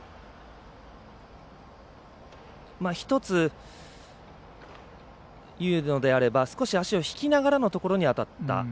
１つ言うのであれば、少し足を引きながらのところに当たった。